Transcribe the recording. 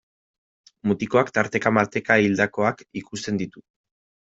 Mutikoak tarteka-marteka hildakoak ikusten ditu.